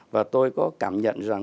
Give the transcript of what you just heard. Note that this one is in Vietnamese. và tôi có cảm nhận rằng